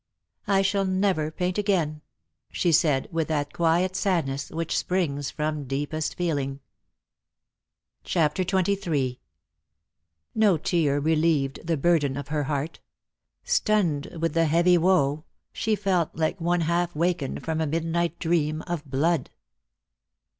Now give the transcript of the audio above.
I shall never paint again," she said, with that quiet sadness which springs from deepest feeling. 206 Lost for Love. CHAPTER XXIII. " No tear relieved the burden of her heart ; Stunn'd with the heavy woe, she felt like one Half waken'd from a midnight dream of blood."